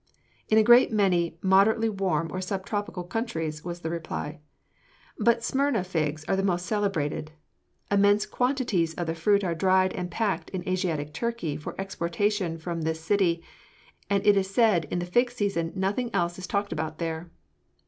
"In a great many moderately warm or sub tropical countries," was the reply, "but Smyrna figs are the most celebrated. Immense quantities of the fruit are dried and packed in Asiatic Turkey for exportation from this city, and it is said that in the fig season nothing else is talked about there."